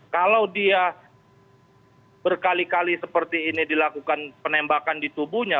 kalau dia berkali kali seperti ini dilakukan penembakan di tubuhnya